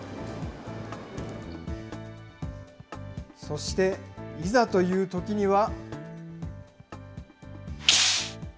そして、いざというときには。